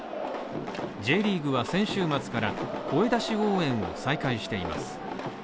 Ｊリーグは先週末から声出し応援を再開しています。